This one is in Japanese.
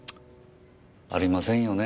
ありませんよね